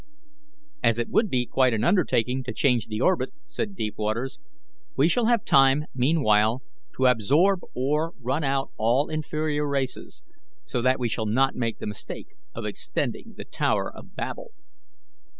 "As it will be quite an undertaking to change the orbit, said Deepwaters, "we shall have time meanwhile to absorb or run out all inferior races, so that we shall not make the mistake of extending the Tower of Babel."